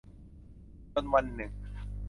จนวันหนึ่ง